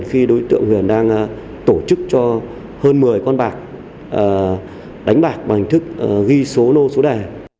khi đối tượng huyền đang tổ chức cho hơn một mươi con bạc đánh bạc bằng hình thức ghi số lô số đẻ